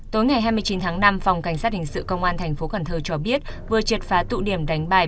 tối ngày hai mươi chín tháng năm phòng cảnh sát hình sự công an tp cn cho biết vừa triệt phá tụ điểm đánh bài